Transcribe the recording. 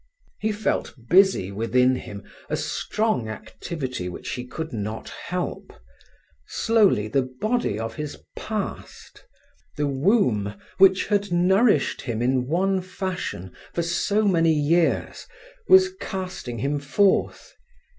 He felt busy within him a strong activity which he could not help. Slowly the body of his past, the womb which had nourished him in one fashion for so many years, was casting him forth.